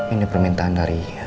ini permintaan dari